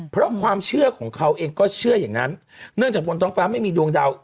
เพราะความเชื่อของเขาเองก็เชื่ออย่างนั้นเนื่องจากบนท้องฟ้าไม่มีดวงดาว